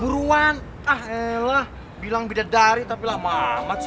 buruan ah elah bilang beda dari tapi lama amat sih